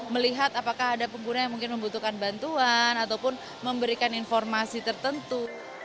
melihat apakah ada pengguna yang mungkin membutuhkan bantuan ataupun memberikan informasi tertentu